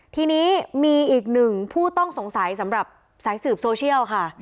ทีนี้มีอีกหนึ่งผู้ต้องสงสัยสำหรับสายสืบโซเชียลค่ะ